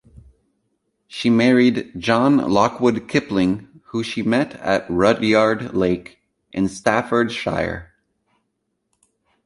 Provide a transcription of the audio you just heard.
She married John Lockwood Kipling who she met at Rudyard Lake in Staffordshire.